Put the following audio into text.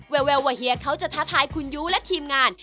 แววว่าเฮียเขาจะท้าทายคุณยู้และทีมงาน